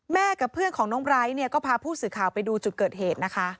แม่กับเพื่อนของน้องไร้ก็พาผู้สื่อข่าวไปดูจุดเกิดเหตุ